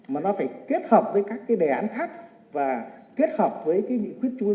mà nó phải kết hợp với các đề án khác và kết hợp với nghị quyết trung ương sáu